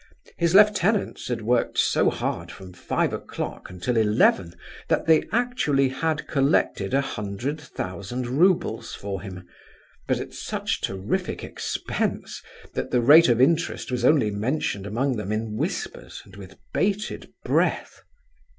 His lieutenants had worked so hard from five o'clock until eleven, that they actually had collected a hundred thousand roubles for him, but at such terrific expense, that the rate of interest was only mentioned among them in whispers and with bated breath.